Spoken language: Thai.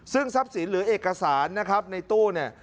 ซึ่งทรัพย์สินหรือเอกสารนะครับในตู้เนี่ย